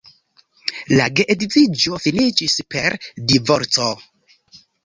La geedziĝo finiĝis per divorco.